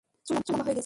চুল লম্বা হয়ে গেছে।